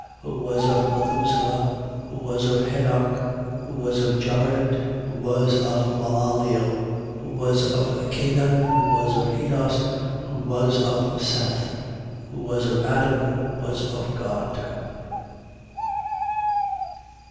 Who was of Mathusale, who was of Henoch, who was of Jared, who was of Malaleel, who was of Cainan, 3:38. Who was of Henos, who was of Seth, who was of Adam, who was of God.